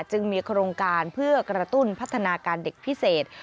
จึงมีโครงการเพื่อกระตุ้นพัฒนาการเด็กพิเศษ